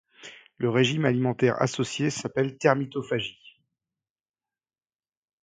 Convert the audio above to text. Le régime alimentaire associé s'appelle termitophagie.